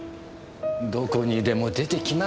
どこにでも出てきますねぇ。